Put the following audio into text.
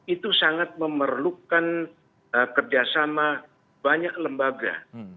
itu sangat memerlukan kerjasama banyak lembaga